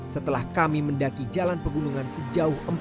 setelah kami mendaki jalan pegunungan sejauh empat km